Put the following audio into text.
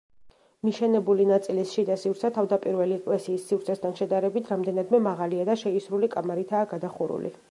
მიშენებული ნაწილის შიდა სივრცე, თავდაპირველი ეკლესიის სივრცესთან შედარებით, რამდენადმე მაღალია და შეისრული კამარითაა გადახურული.